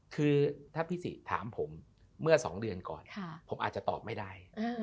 คือถ้าพี่สิถามผมเมื่อ๒เดือนก่อนผมอาจจะตอบไม่ได้